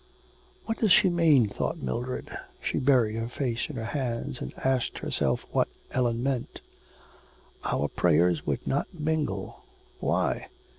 'What does she mean?' thought Mildred. She buried her face in her hands and asked herself what Ellen meant. 'Our prayers would not mingle. Why?